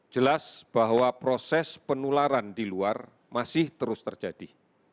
jelas bahwa proses penularan di luar masih terus terjadi